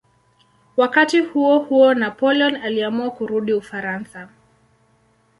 Wakati huohuo Napoleon aliamua kurudi Ufaransa.